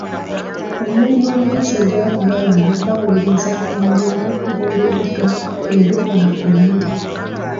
Omulimu omuyizi gw'akola wano bagugeza ku mulimo gw'olubuto gwe lukola ku mmere.